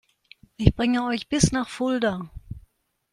Ich bringe euch bis nach Fulda